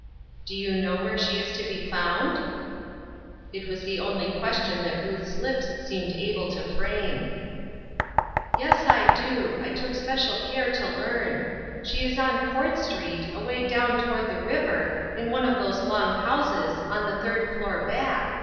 " Do you know where she is to be found ?" It was the only question that Ruth's lips seemed able to frame. " Yes, I do ; I took special care to learn. She is on Court Street, away down toward the river, in one of those long houses, on the third floor back.